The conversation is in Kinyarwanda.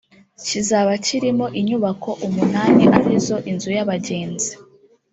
Kizaba kirimo inyubako umunani ari zo; inzu y’abagenzi